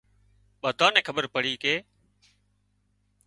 ٻۮانئين کٻير پڙي ڪي